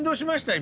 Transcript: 今。